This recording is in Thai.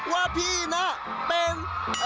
ว่าพี่น่ะเป็น